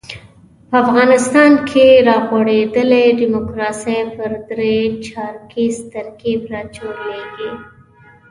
په افغانستان کې را غوړېدلې ډیموکراسي پر درې چارکیز ترکیب راچورلېږي.